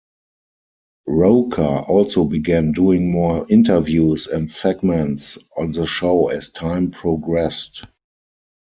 Roker also began doing more interviews and segments on the show as time progressed.